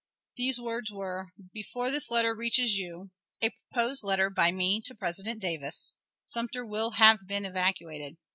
These words were, "Before this letter reaches you [a proposed letter by me to President Davis], Sumter will have been evacuated."